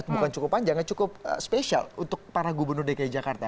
bukan cukup panjang ya cukup spesial untuk para gubernur dki jakarta